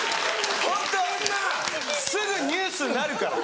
ホントすぐニュースになるから！